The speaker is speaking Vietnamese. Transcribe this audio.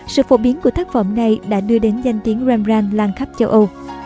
sự phổ biến của tác phẩm này đã đưa đến danh tiếng rembrandt lan khắp châu âu